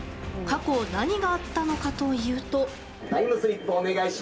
過去、何があったのかというと。